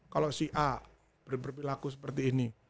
kalau si a berperilaku seperti ini